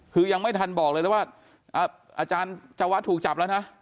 คือยังไม่ทันบอกเลยแล้วว่าอาจารย์จวะถูกจับแล้วนะ